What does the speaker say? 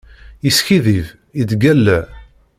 Yeskiddib, yettgalla.